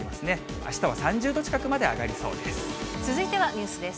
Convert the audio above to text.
あしたは３０度近くまで上がりそうです。